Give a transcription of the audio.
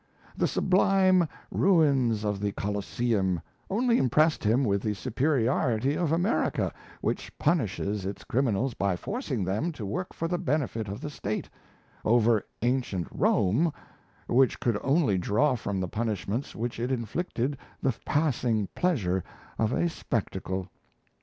The sublime ruins of the Coliseum only impressed him with the superiority of America, which punishes its criminals by forcing them to work for the benefit of the State, over ancient Rome, which could only draw from the punishments which it inflicted the passing pleasure of a spectacle.